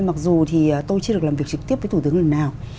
mặc dù thì tôi chưa được làm việc trực tiếp với thủ tướng lần nào